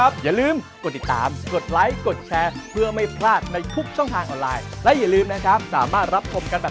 สวัสดีครับ